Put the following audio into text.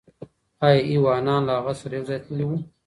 آیا ایوانان له هغه سره یو ځای تللي وو؟